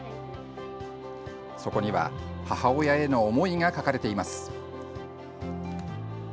そこには母親への思いが書かれています。